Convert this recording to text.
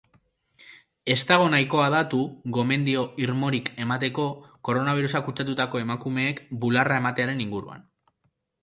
Ez dago nahikoa datu gomendio irmorik emateko koronabirusak kutsatutako emakumeek bularra ematearen inguruan.